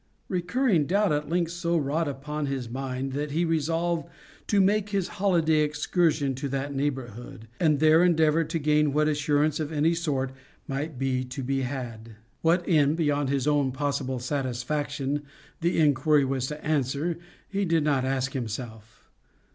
Recurring doubt at length so wrought upon his mind, that he resolved to make his holiday excursion to that neighbourhood, and there endeavour to gain what assurance of any sort might be to be had. What end beyond his own possible satisfaction the inquiry was to answer he did not ask himself.